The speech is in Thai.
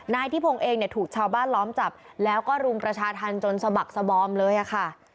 นายทิพงศ์เองเนี่ยถูกชาวบ้านล้อมจับแล้วก็รุมประชาธรรมจนสะบักสบอมเลยค่ะ